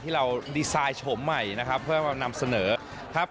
เราดีไซน์โฉมใหม่นะครับเพื่อนำเสนอครับ